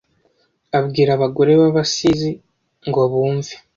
abwira abagore b'abasizi ngo bumve